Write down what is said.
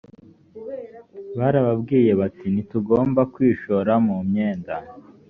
barababwiye bati ntitugomba kwishora mu myenda